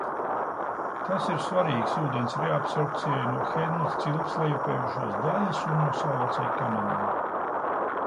Tas ir svarīgs ūdens reabsorbcijai no Henles cilpas lejupejošās daļas un no savācējkanāliņa.